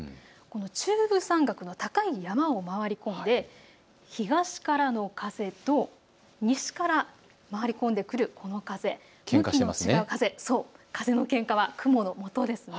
中部山岳の高い山を回り込んで東からの風と西から回り込んでくるこの風、風のけんかは雲のもとですね。